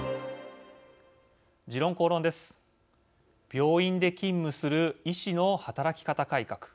病院で勤務する医師の働き方改革。